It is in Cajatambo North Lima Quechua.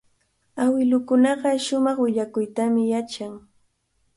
Awilukunaqa shumaq willakuykunatami yachan.